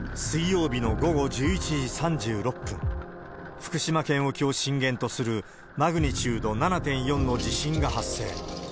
水曜日の午後１１時３６分、福島県沖を震源とするマグニチュード７．４の地震が発生。